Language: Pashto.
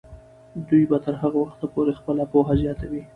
دوی به تر هغه وخته پورې خپله پوهه زیاتوي.